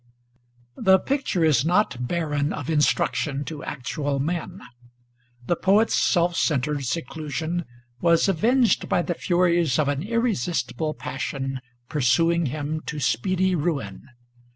' The picture is not barren of instruction to actual men. The Poet's self centred seclusion was avenged by the furies of an irresistible passion pursuing him to speedy ruin.